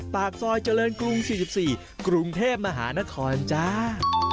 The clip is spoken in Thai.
ปากซอยเจริญกรุง๔๔กรุงเทพมหานครจ้า